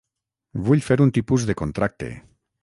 Vull fer un tipus de contracte.